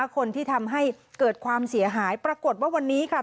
คนที่ทำให้เกิดความเสียหายปรากฏว่าวันนี้ค่ะ